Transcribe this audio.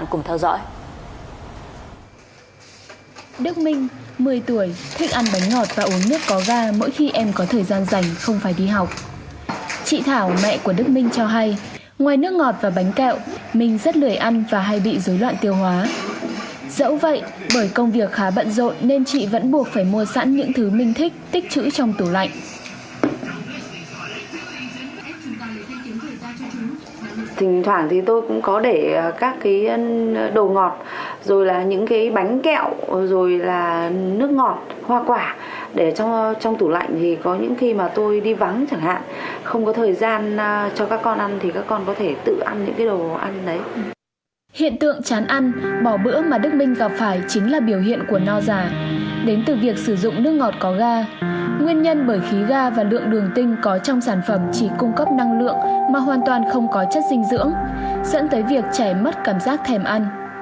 chỉ cung cấp năng lượng mà hoàn toàn không có chất dinh dưỡng dẫn tới việc trẻ mất cảm giác thèm ăn